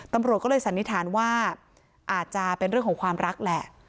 ตำรวจก็เลยสันนิษฐานว่าอาจจะเป็นเรื่องของความรักแหละ